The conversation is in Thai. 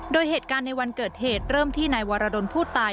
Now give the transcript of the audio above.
โดยเหตุการณ์ในวันเกิดเหตุเริ่มที่นายวรดลผู้ตาย